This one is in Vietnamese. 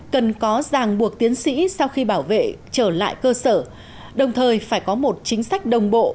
cần có ràng buộc tiến sĩ sau khi bảo vệ trở lại cơ sở đồng thời phải có một chính sách đồng bộ